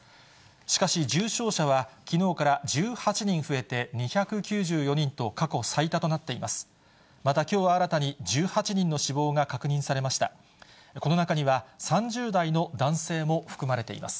しかし重症者は、きのうから１８人増えて２９４人と過去最多となっています。